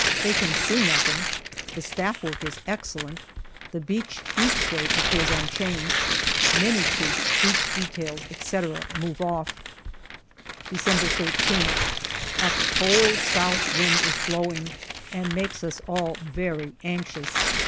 They can see nothing. The Staff work is excellent. The beach each day appears unchanged. Many troops, beach details, etc., move off. December 13th. A cold south wind is blowing and makes us all very anxious.